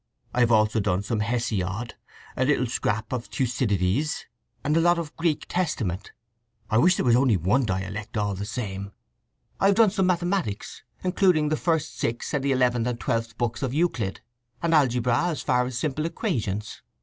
I have also done some Hesiod, a little scrap of Thucydides, and a lot of the Greek Testament… I wish there was only one dialect all the same. "I have done some mathematics, including the first six and the eleventh and twelfth books of Euclid; and algebra as far as simple equations.